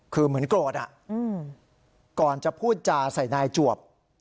คือเหมือนโกรธอะก่อนจะพูดจาใส่นายจวบ